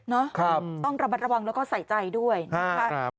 นะครับต้องระมัดระวังแล้วก็ใส่ใจด้วยนะคะ